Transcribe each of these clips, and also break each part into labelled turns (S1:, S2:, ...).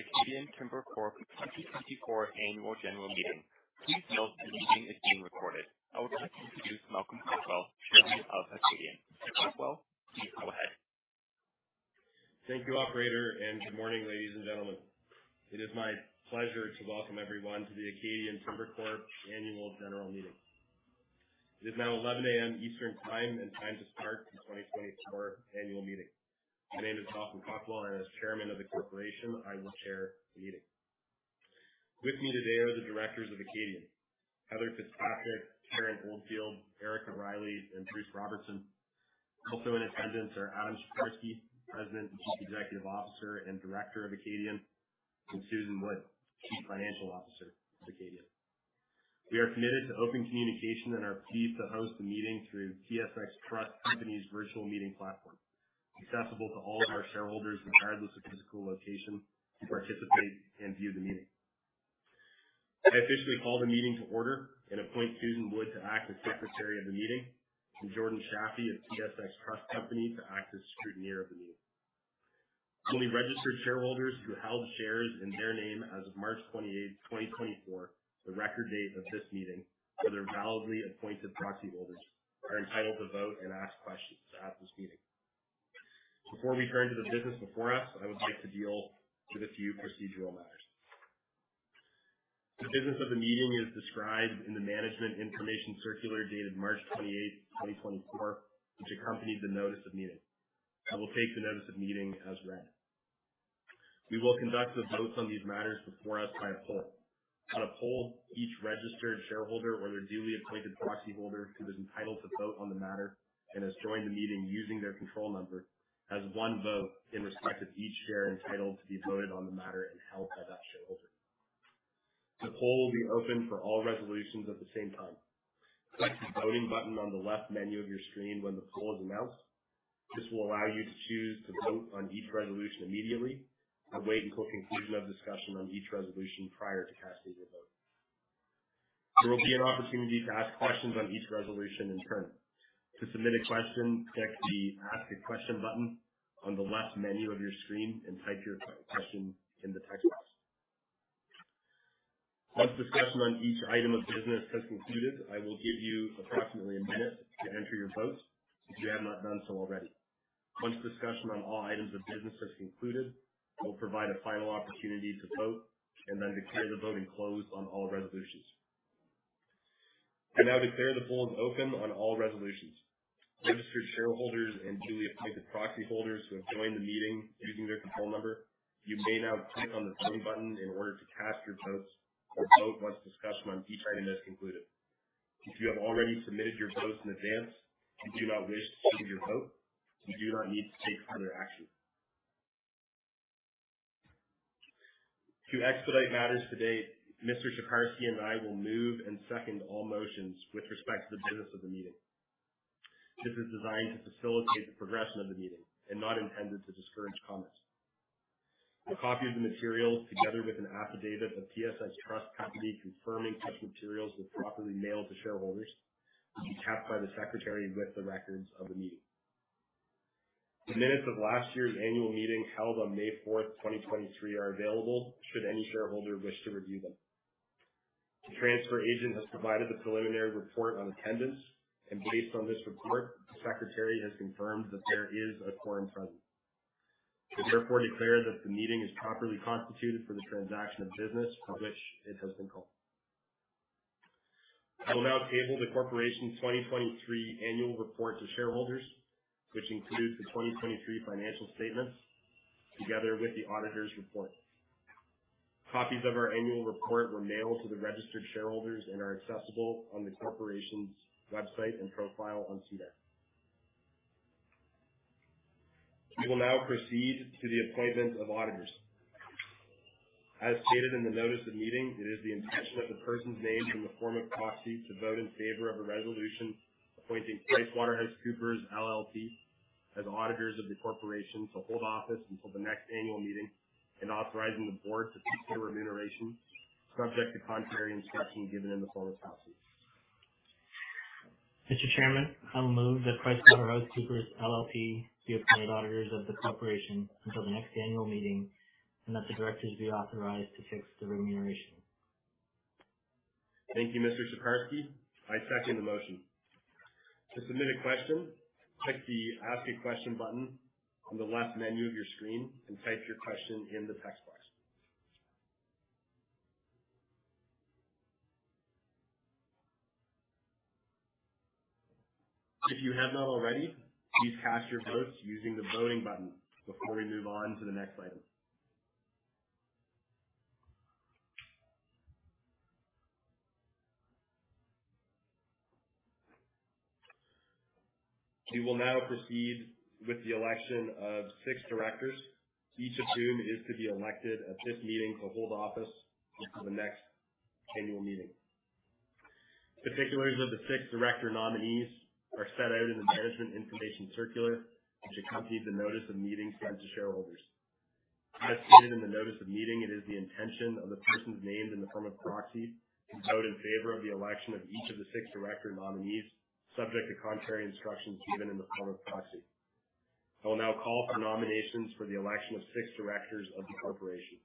S1: This is the Acadian Timber Corp 2024 annual general meeting. Please note the meeting is being recorded. I would like to introduce Malcolm Cockwell, Chairman of Acadian. Mr. Cockwell, please go ahead.
S2: Thank you, Operator, and good morning, ladies and gentlemen. It is my pleasure to welcome everyone to the Acadian Timber Corp annual general meeting. It is now 11:00 A.M. Eastern Time, and time to start the 2024 annual meeting. My name is Malcolm Cockwell, and as Chairman of the corporation, I will chair the meeting. With me today are the directors of Acadian: Heather Fitzpatrick, Karen Oldfield, Erika Reilly, and Bruce Robertson. Also in attendance are Adam Sheparski, President and Chief Executive Officer and Director of Acadian, and Susan Wood, Chief Financial Officer of Acadian. We are committed to open communication and are pleased to host the meeting through TSX Trust Company's virtual meeting platform, accessible to all of our shareholders regardless of physical location to participate and view the meeting. I officially call the meeting to order and appoint Susan Wood to act as Secretary of the meeting and Jordan Shafee of TSX Trust Company to act as Scrutineer of the meeting. Only registered shareholders who held shares in their name as of March 28, 2024, the record date of this meeting, or their validly appointed proxy holders, are entitled to vote and ask questions at this meeting. Before we turn to the business before us, I would like to deal with a few procedural matters. The business of the meeting is described in the Management Information Circular dated March 28, 2024, which accompanied the notice of meeting. I will take the notice of meeting as read. We will conduct the votes on these matters before us by a poll. On a poll, each registered shareholder or their duly appointed proxy holder who is entitled to vote on the matter and has joined the meeting using their control number has one vote in respect of each share entitled to be voted on the matter and held by that shareholder. The poll will be open for all resolutions at the same time. Click the voting button on the left menu of your screen when the poll is announced. This will allow you to choose to vote on each resolution immediately and wait until conclusion of discussion on each resolution prior to casting your vote. There will be an opportunity to ask questions on each resolution in turn. To submit a question, click the Ask a Question button on the left menu of your screen and type your question in the text box. Once discussion on each item of business has concluded, I will give you approximately a minute to enter your vote if you have not done so already. Once discussion on all items of business has concluded, we'll provide a final opportunity to vote and then declare the vote closed on all resolutions. I now declare the poll is open on all resolutions. Registered shareholders and duly appointed proxy holders who have joined the meeting using their control number, you may now click on the voting button in order to cast your votes or vote once discussion on each item has concluded. If you have already submitted your votes in advance and do not wish to submit your vote, you do not need to take further action. To expedite matters today, Mr. Sheparski and I will move and second all motions with respect to the business of the meeting. This is designed to facilitate the progression of the meeting and not intended to discourage comments. A copy of the materials, together with an affidavit of TSX Trust Company confirming such materials were properly mailed to shareholders, will be kept by the Secretary with the records of the meeting. The minutes of last year's annual meeting held on May 4, 2023, are available should any shareholder wish to review them. The transfer agent has provided the preliminary report on attendance, and based on this report, the Secretary has confirmed that there is a quorum present. I therefore declare that the meeting is properly constituted for the transaction of business for which it has been called. I will now table the corporation's 2023 annual report to shareholders, which includes the 2023 financial statements together with the auditor's report. Copies of our annual report were mailed to the registered shareholders and are accessible on the corporation's website and profile on SEDAR+. We will now proceed to the appointment of auditors. As stated in the notice of meeting, it is the intention of the persons named in the form of proxy to vote in favor of a resolution appointing PricewaterhouseCoopers LLP as auditors of the corporation to hold office until the next annual meeting and authorizing the board to fix the remuneration subject to contrary instruction given in the form of proxy.
S3: Mr. Chairman, I'll move that PricewaterhouseCoopers LLP be appointed auditors of the corporation until the next annual meeting and that the directors be authorized to fix the remuneration.
S2: Thank you, Mr. Sheparski. I second the motion. To submit a question, click the Ask a Question button on the left menu of your screen and type your question in the text box. If you have not already, please cast your votes using the voting button before we move on to the next item. We will now proceed with the election of six directors, each of whom is to be elected at this meeting to hold office until the next annual meeting. Particulars of the six director nominees are set out in the Management Information Circular, which accompanies the notice of meeting sent to shareholders. As stated in the notice of meeting, it is the intention of the person's name in the form of proxy to vote in favor of the election of each of the six director nominees subject to contrary instructions given in the form of proxy. I will now call for nominations for the election of six directors of the corporation.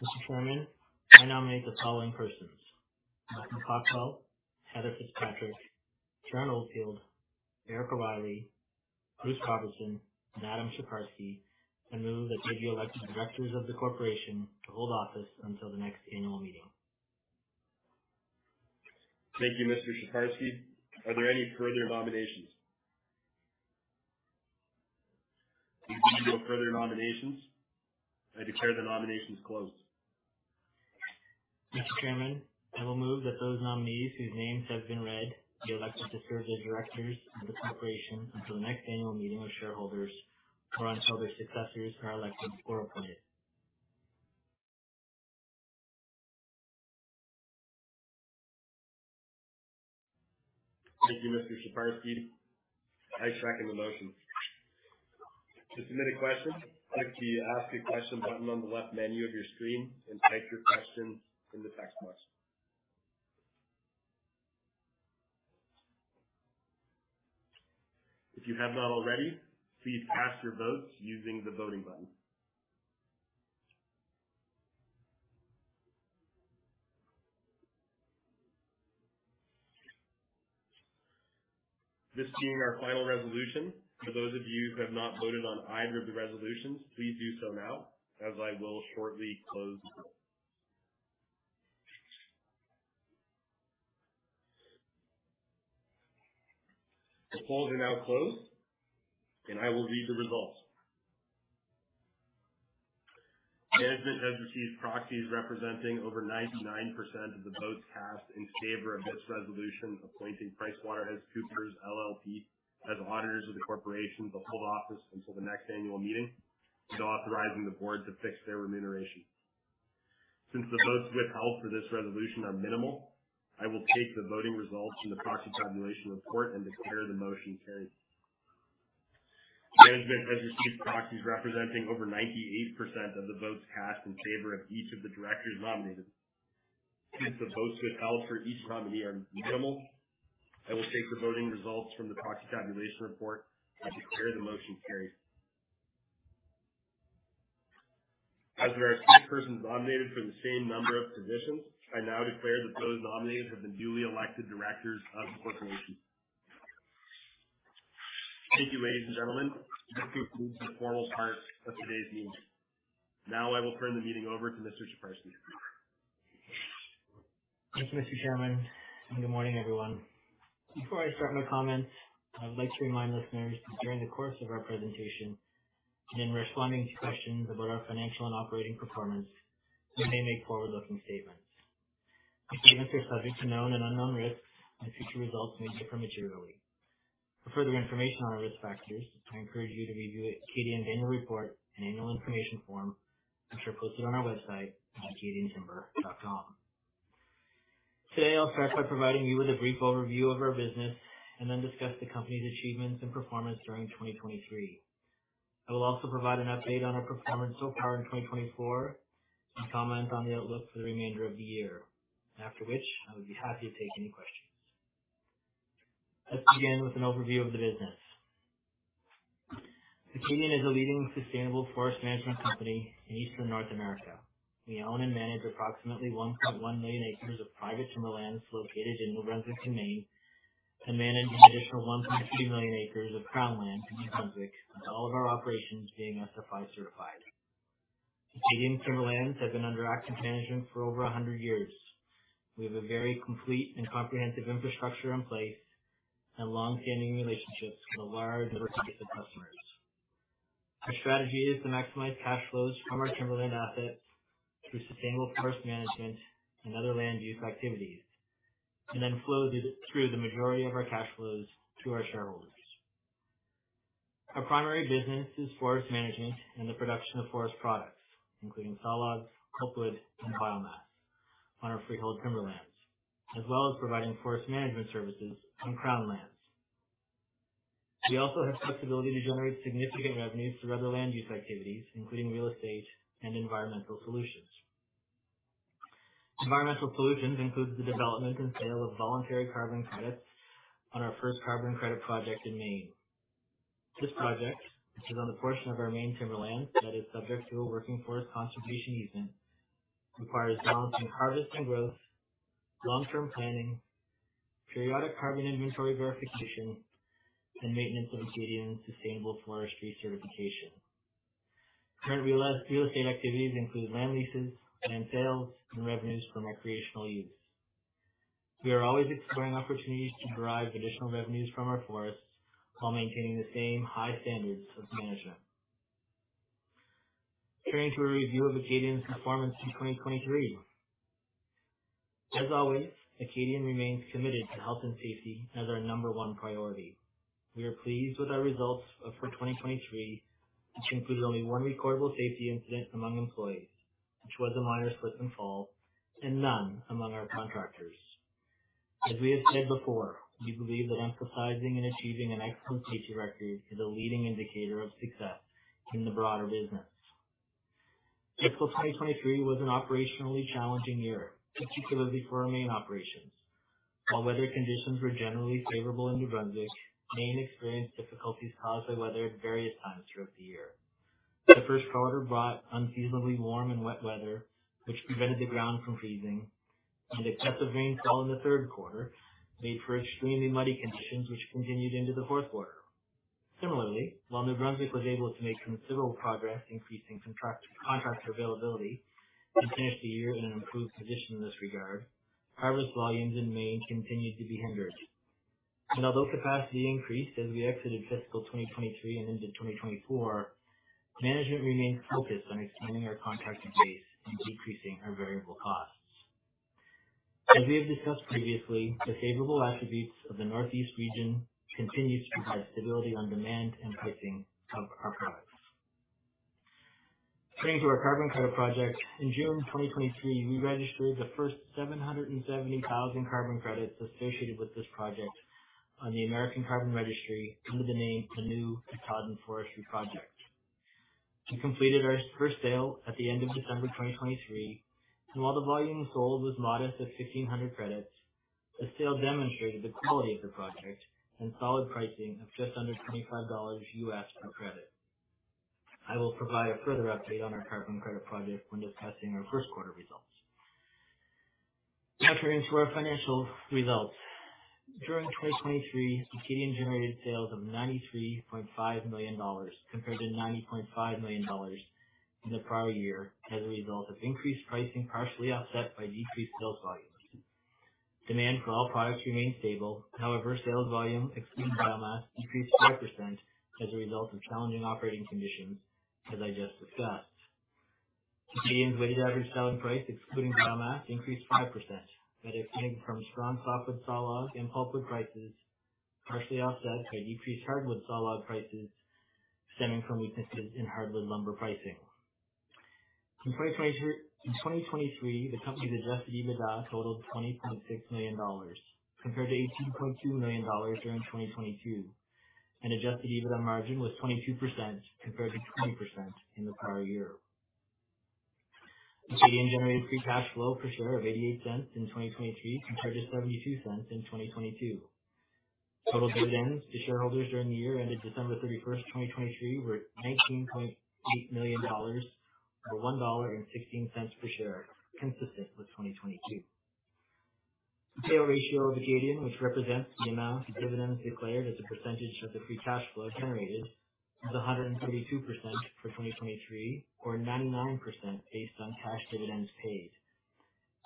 S3: Mr. Chairman, I nominate the following persons: Malcolm Cockwell, Heather Fitzpatrick, Karen Oldfield, Erika Reilly, Bruce Robertson, and Adam Sheparski, and move that they be elected directors of the corporation to hold office until the next annual meeting.
S2: Thank you, Mr. Sheparski. Are there any further nominations? We do no further nominations. I declare the nominations closed.
S3: Mr. Chairman, I will move that those nominees whose names have been read be elected to serve as directors of the corporation until the next annual meeting of shareholders or until their successors are elected or appointed.
S2: Thank you, Mr. Sheparski. I second the motion. To submit a question, click the Ask a Question button on the left menu of your screen and type your question in the text box. If you have not already, please cast your votes using the voting button. This being our final resolution, for those of you who have not voted on either of the resolutions, please do so now as I will shortly close the poll. The polls are now closed, and I will read the results. Management has received proxies representing over 99% of the votes cast in favor of this resolution appointing PricewaterhouseCoopers LLP as auditors of the corporation to hold office until the next annual meeting and authorizing the board to fix their remuneration. Since the votes withheld for this resolution are minimal, I will take the voting results from the proxy tabulation report and declare the motion carried. Management has received proxies representing over 98% of the votes cast in favor of each of the directors nominated. Since the votes withheld for each nominee are minimal, I will take the voting results from the proxy tabulation report and declare the motion carried. As there are six persons nominated for the same number of positions, I now declare that those nominated have been duly elected directors of the corporation. Thank you, ladies and gentlemen. This concludes the formal part of today's meeting. Now I will turn the meeting over to Mr. Sheparski.
S3: Thanks, Mr. Chairman, and good morning, everyone. Before I start my comments, I would like to remind listeners that during the course of our presentation and in responding to questions about our financial and operating performance, we may make forward-looking statements. The statements are subject to known and unknown risks, and future results may differ materially. For further information on our risk factors, I encourage you to review the Acadian annual report, an annual information form, which are posted on our website at acadiantimber.com. Today, I'll start by providing you with a brief overview of our business and then discuss the company's achievements and performance during 2023. I will also provide an update on our performance so far in 2024 and comment on the outlook for the remainder of the year, after which I would be happy to take any questions. Let's begin with an overview of the business. Acadian is a leading sustainable forest management company in Eastern North America. We own and manage approximately 1.1 million acres of private timberlands located in New Brunswick, Maine, and manage an additional 1.3 million acres of Crown land in New Brunswick, with all of our operations being SFI certified. Acadian timberlands have been under active management for over 100 years. We have a very complete and comprehensive infrastructure in place and longstanding relationships with a large number of customers. Our strategy is to maximize cash flows from our timberland assets through sustainable forest management and other land use activities, and then flow through the majority of our cash flows to our shareholders. Our primary business is forest management and the production of forest products, including sawlogs, pulpwood, and biomass on our freehold timberlands, as well as providing forest management services on Crown lands. We also have flexibility to generate significant revenues through other land use activities, including real estate and environmental solutions. Environmental solutions include the development and sale of voluntary carbon credits on our first carbon credit project in Maine. This project, which is on the portion of our Maine timberlands that is subject to a working forest conservation easement, requires balancing harvest and growth, long-term planning, periodic carbon inventory verification, and maintenance of Acadian's sustainable forestry certification. Current real estate activities include land leases, land sales, and revenues from recreational use. We are always exploring opportunities to derive additional revenues from our forests while maintaining the same high standards of management. Turning to a review of Acadian's performance in 2023. As always, Acadian remains committed to health and safety as our number one priority. We are pleased with our results for 2023, which included only one recordable safety incident among employees, which was a minor slip and fall, and none among our contractors. As we have said before, we believe that emphasizing and achieving an excellent safety record is a leading indicator of success in the broader business. Fiscal 2023 was an operationally challenging year, particularly for our Maine operations. While weather conditions were generally favorable in New Brunswick, Maine experienced difficulties caused by weather at various times throughout the year. The first quarter brought unseasonably warm and wet weather, which prevented the ground from freezing, and excessive rainfall in the third quarter made for extremely muddy conditions, which continued into the fourth quarter. Similarly, while New Brunswick was able to make considerable progress increasing contractor availability and finish the year in an improved position in this regard, harvest volumes in Maine continued to be hindered. Although capacity increased as we exited fiscal 2023 and into 2024, management remains focused on expanding our contractor base and decreasing our variable costs. As we have discussed previously, the favorable attributes of the Northeast region continue to provide stability on demand and pricing of our products. Turning to our carbon credit project, in June 2023, we registered the first 770,000 carbon credits associated with this project on the American Carbon Registry under the name Anew – Katahdin Forestry Project. We completed our first sale at the end of December 2023, and while the volume sold was modest at 1,500 credits, the sale demonstrated the quality of the project and solid pricing of just under $25 per credit. I will provide a further update on our carbon credit project when discussing our first quarter results. Now turning to our financial results. During 2023, Acadian generated sales of 93.5 million dollars compared to 90.5 million dollars in the prior year as a result of increased pricing partially offset by decreased sales volumes. Demand for all products remained stable. However, sales volume, excluding biomass, increased 5% as a result of challenging operating conditions, as I just discussed. Acadian's weighted average selling price, excluding biomass, increased 5%, but it came from strong softwood sawlogs and pulpwood prices partially offset by decreased hardwood sawlogs prices stemming from weaknesses in hardwood lumber pricing. In 2023, the company's Adjusted EBITDA totaled $20.6 million compared to $18.2 million during 2022, and Adjusted EBITDA margin was 22% compared to 20% in the prior year. Acadian generated free cash flow per share of $0.88 in 2023 compared to $0.72 in 2022. Total dividends to shareholders during the year ended December 31st, 2023, were $19.8 million or $1.16 per share, consistent with 2022. The payout ratio of Acadian, which represents the amount of dividends declared as a percentage of the free cash flow generated, was 132% for 2023 or 99% based on cash dividends paid.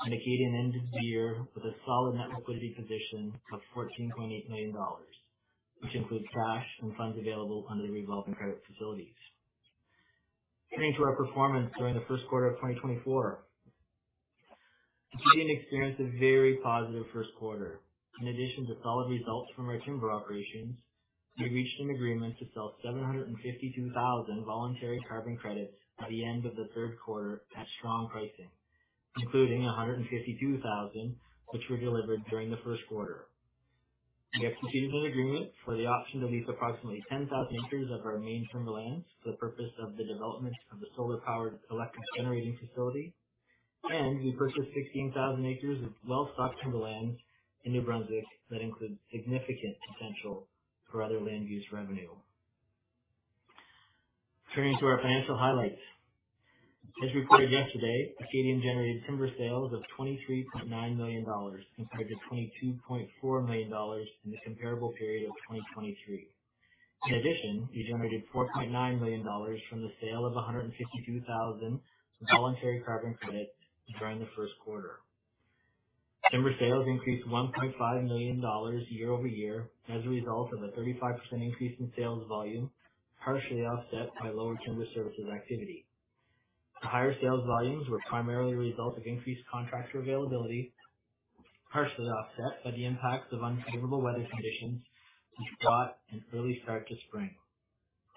S3: Acadian ended the year with a solid net liquidity position of $14.8 million, which includes cash and funds available under the revolving credit facilities. Turning to our performance during the first quarter of 2024. Acadian experienced a very positive first quarter. In addition to solid results from our timber operations, we reached an agreement to sell 752,000 voluntary carbon credits at the end of the third quarter at strong pricing, including 152,000, which were delivered during the first quarter. We executed an agreement for the option to lease approximately 10,000 acres of our Maine timberlands for the purpose of the development of a solar-powered electric generating facility, and we purchased 16,000 acres of well-stocked timberlands in New Brunswick that include significant potential for other land use revenue. Turning to our financial highlights. As reported yesterday, Acadian generated timber sales of $23.9 million compared to $22.4 million in the comparable period of 2023. In addition, we generated $4.9 million from the sale of 152,000 voluntary carbon credits during the first quarter. Timber sales increased $1.5 million year-over-year as a result of a 35% increase in sales volume, partially offset by lower timber services activity. The higher sales volumes were primarily a result of increased contractor availability, partially offset by the impacts of unfavorable weather conditions, which brought an early start to spring.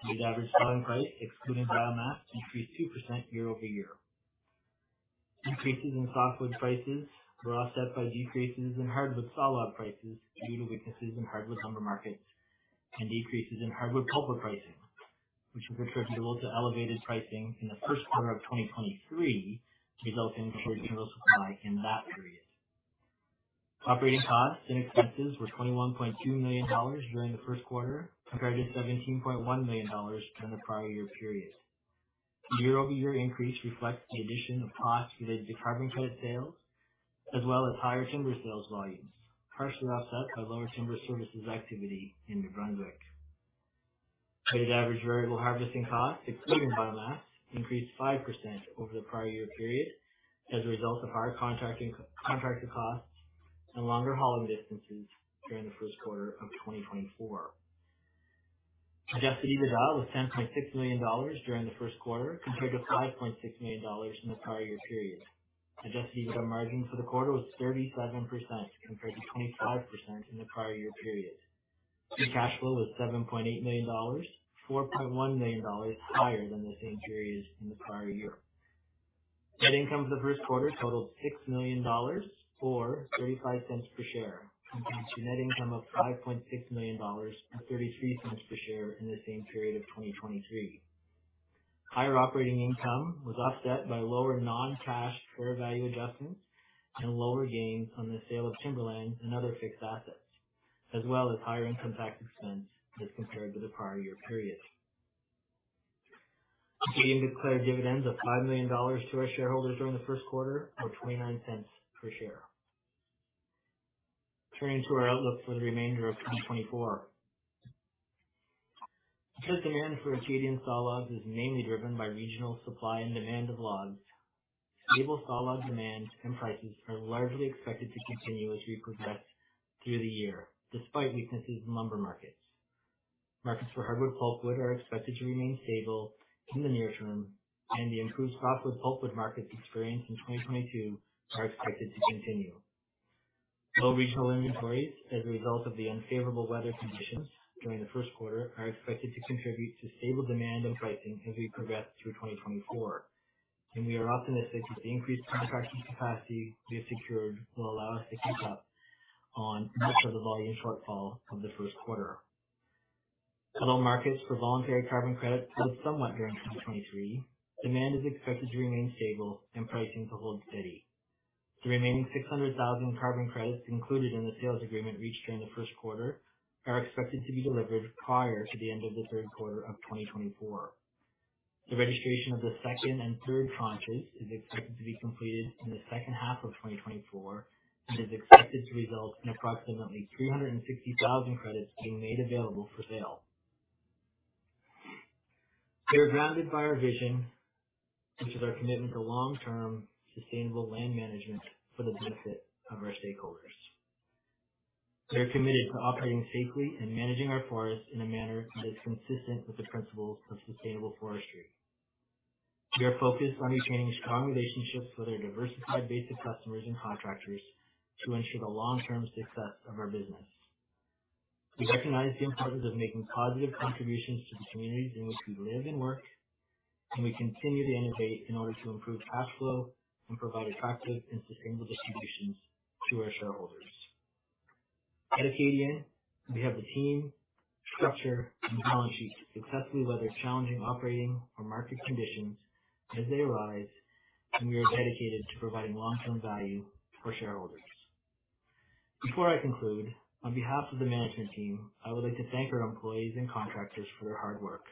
S3: Weighted average selling price, excluding biomass, increased 2% year-over-year. Increases in softwood prices were offset by decreases in hardwood sawlogs prices due to weaknesses in hardwood lumber markets and decreases in hardwood pulp pricing, which is attributable to elevated pricing in the first quarter of 2023 resulting in shorter timber supply in that period. Operating costs and expenses were $21.2 million during the first quarter compared to $17.1 million during the prior year period. The year-over-year increase reflects the addition of costs related to carbon credit sales as well as higher timber sales volumes, partially offset by lower timber services activity in New Brunswick. Weighted average variable harvesting costs, excluding biomass, increased 5% over the prior year period as a result of higher contracting costs and longer hauling distances during the first quarter of 2024. Adjusted EBITDA was $10.6 million during the first quarter compared to $5.6 million in the prior year period. Adjusted EBITDA margin for the quarter was 37% compared to 25% in the prior year period. Free cash flow was $7.8 million, $4.1 million higher than the same period in the prior year. Net income for the first quarter totaled $6 million or $0.35 per share, compared to net income of $5.6 million or $0.33 per share in the same period of 2023. Higher operating income was offset by lower non-cash fair value adjustments and lower gains on the sale of timberlands and other fixed assets, as well as higher income tax expense as compared to the prior year period. Acadian declared dividends of $5 million to our shareholders during the first quarter or $0.29 per share. Turning to our outlook for the remainder of 2024. Because demand for Acadian sawlogs is mainly driven by regional supply and demand of logs, stable saw log demand and prices are largely expected to continue as we progress through the year despite weaknesses in lumber markets. Markets for hardwood pulpwood are expected to remain stable in the near term, and the improved softwood pulpwood market experience in 2022 are expected to continue. Low regional inventories as a result of the unfavorable weather conditions during the first quarter are expected to contribute to stable demand and pricing as we progress through 2024, and we are optimistic that the increased contractor capacity we have secured will allow us to keep up on much of the volume shortfall of the first quarter. Although markets for voluntary carbon credit slowed somewhat during 2023, demand is expected to remain stable and pricing to hold steady. The remaining 600,000 carbon credits included in the sales agreement reached during the first quarter are expected to be delivered prior to the end of the third quarter of 2024. The registration of the second and third tranches is expected to be completed in the second half of 2024 and is expected to result in approximately 360,000 credits being made available for sale. We are grounded by our vision, which is our commitment to long-term sustainable land management for the benefit of our stakeholders. We are committed to operating safely and managing our forest in a manner that is consistent with the principles of sustainable forestry. We are focused on retaining strong relationships with our diversified base of customers and contractors to ensure the long-term success of our business. We recognize the importance of making positive contributions to the communities in which we live and work, and we continue to innovate in order to improve cash flow and provide attractive and sustainable distributions to our shareholders. At Acadian, we have the team, structure, and balance sheet to successfully weather challenging operating or market conditions as they arise, and we are dedicated to providing long-term value for shareholders. Before I conclude, on behalf of the management team, I would like to thank our employees and contractors for their hard work,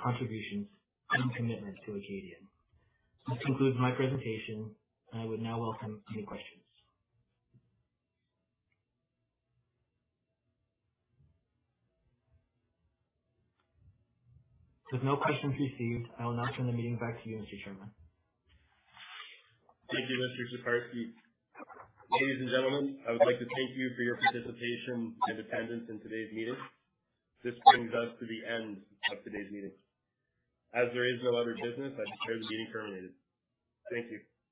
S3: contributions, and commitment to Acadian. This concludes my presentation, and I would now welcome any questions. With no questions received, I will now turn the meeting back to you, Mr. Chairman.
S2: Thank you, Mr. Sheparski. Ladies and gentlemen, I would like to thank you for your participation and attendance in today's meeting. This brings us to the end of today's meeting. As there is no other business, I declare the meeting terminated. Thank you.